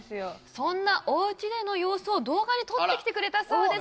そんなおうちでの様子を動画に撮ってきてくれたそうです